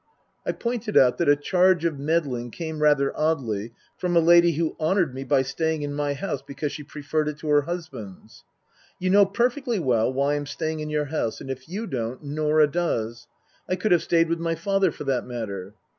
" I pointed out that a charge of meddling came rather oddly from a lady who honoured me by staying in my house because she preferred it to her husband's. " You know perfectly well why I'm staying in your house ; and if you don't, Norah does. I could have stayed with my father, for that matter."